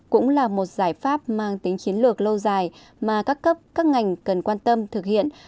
cũng là một giải pháp mang tính chiến lược lâu dài mà các cấp các ngành cần quan tâm thực hiện